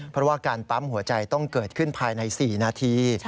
เพราะว่าการปั๊มหัวใจต้องเกิดขึ้นภายใน๔นาที